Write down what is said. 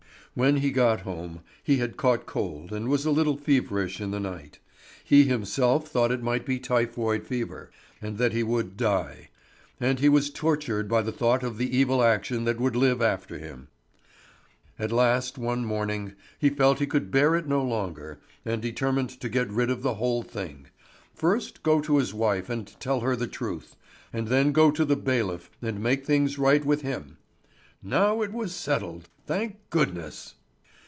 When he got home he had caught cold and was a little feverish in the night. He himself thought it might be typhoid fever, and that he would die; and he was tortured by the thought of the evil action that would live after him. At last one morning he felt he could bear it no longer, and determined to get rid of the whole thing first go to his wife and tell her the truth, and then go to the bailiff and make things right with him. Now it was settled, thank goodness!